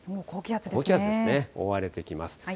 高気圧ですね、覆われてきます。